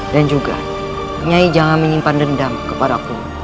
dan juga nyai jangan menyimpan dendam kepada aku